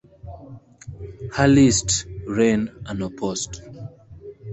Her list ran unopposed.